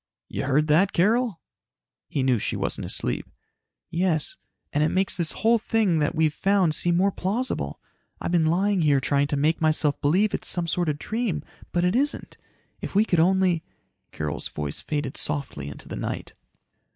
"You heard that, Carol?" He knew she wasn't asleep. "Yes. And it makes this whole thing that we've found seem more plausible. I've been lying here trying to make myself believe it's some sort of dream, but it isn't. If we could only ..." Carol's voice faded softly into the night.